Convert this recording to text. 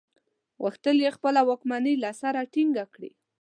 غوښتل یې خپله واکمني له سره ټینګه کړي.